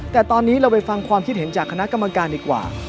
แต่ตอนนี้เราไปฟังความคิดเห็นจากคณะกรรมการดีกว่า